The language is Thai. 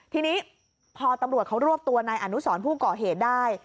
ทีนี้พอตำรวจเขารวบตัวนายอนุสรผู้ก่อเหตุได้